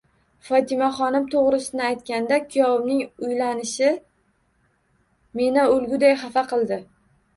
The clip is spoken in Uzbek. Fotimaxonim, to'g'risini aytganda, kuyovimning uylanishi meni o'lguday xafa qildi.